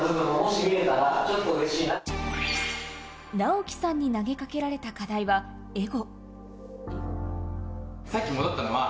ナオキさんに投げかけられた課題はエゴ。